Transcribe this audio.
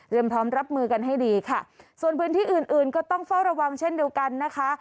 พร้อมรับมือกันให้ดีค่ะส่วนพื้นที่อื่นอื่นก็ต้องเฝ้าระวังเช่นเดียวกันนะคะ